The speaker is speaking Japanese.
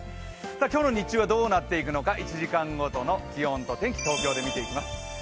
今日の日中はどうなっていくのか、１時間ごとの気温と天気、東京で見ていきます。